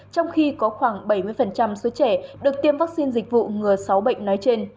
trong khi có khoảng bảy mươi số trẻ được tiêm vaccine dịch vụ ngừa sáu bệnh nói trên